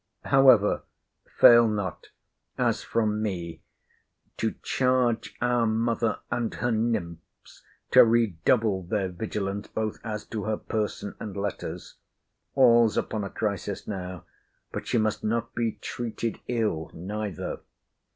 However, fail not, as from me, to charge our mother and her nymphs to redouble their vigilance both as to her person and letters. All's upon a crisis now. But she must not be treated ill neither.